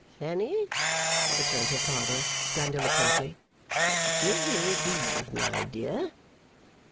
'Fanny,' returned her father, grandiloquently, 'give me leave, my dear.